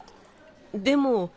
でも。